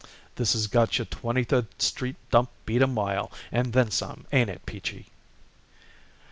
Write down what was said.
"This has got your Twenty third Street dump beat a mile, and then some, 'ain't it, Peachy?"